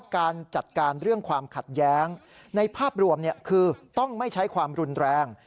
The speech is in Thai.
ความขัดแย้งในภาพรวมคือต้องไม่ใช้ความรุนแรง